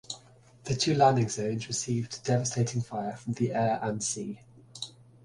The two landing zones received devastating fire from the air and sea.